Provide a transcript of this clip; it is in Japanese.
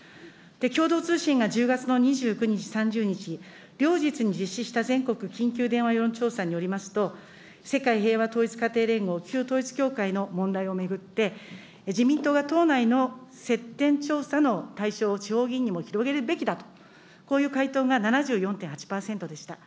共同通信が１０月の２９日、３０日、両日に実施した全国緊急電話世論調査によりますと、世界平和統一家庭連合・旧統一教会の問題を巡って、自民党が党内の接点調査の対象を地方議員にも広げるべきだと、こういう回答が７４．８％でした。